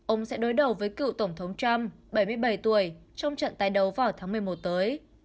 ông sẽ đối đầu với cựu tổng thống trump bảy mươi bảy tuổi trong trận tái đấu vào tháng một mươi một tới